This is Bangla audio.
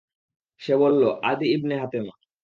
সে বলল, আদী ইবনে হাতেমা।